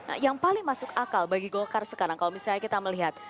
nah yang paling masuk akal bagi golkar sekarang kalau misalnya kita melihat